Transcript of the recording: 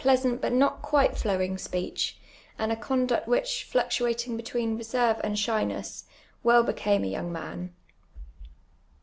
*<aiit but not (juite ilowin;; s|)eeeh, and a eonduct which, fluc tuating between reserve and shyness, well iK'came a younp; man.